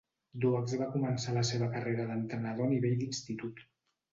Duax va començar la seva carrera d'entrenador a nivell d'institut.